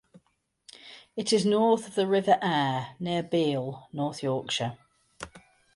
It is north of the River Aire, near Beal, North Yorkshire.